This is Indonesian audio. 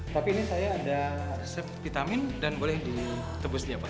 tapi ini saya ada resep vitamin dan boleh ditembus setiap hari